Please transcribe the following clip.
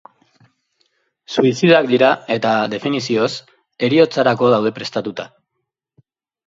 Suizidak dira eta, definizioz, heriotzarako daude prestatuta.